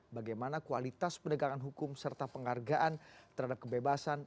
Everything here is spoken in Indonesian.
bagaimana kualitas penegakan hukum serta penghargaan terhadap kebebasan